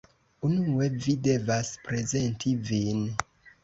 Unue, vi devas prezenti vin